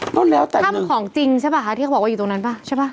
ก็แล้วแต่ถ้ำของจริงใช่ป่ะคะที่เขาบอกว่าอยู่ตรงนั้นป่ะใช่ป่ะ